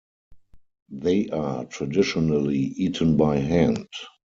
They are traditionally eaten by hand.